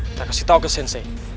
kita kasih tau ke sensei